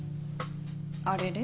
あれれ？